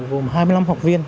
gồm hai mươi năm học viên